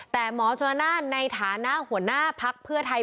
แต่หมอสุนนะในฐานะหัวหน้าภักดิ์เพื่อไทย